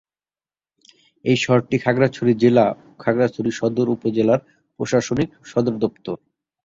এ শহরটি খাগড়াছড়ি জেলা ও খাগড়াছড়ি সদর উপজেলার প্রশাসনিক সদরদপ্তর।